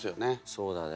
そうだね。